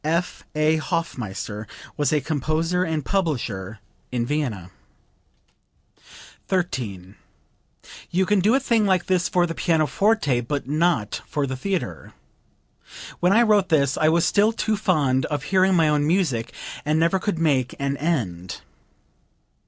F.A. Hofmeister was a composer and publisher in Vienna.) 13. "You can do a thing like this for the pianoforte, but not for the theatre. When I wrote this I was still too fond of hearing my own music, and never could make an end."